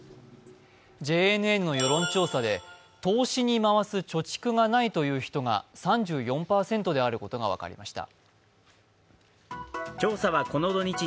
ＪＮＮの世論調査で、投資に回す貯蓄がないという人が３４％であることが分かりました。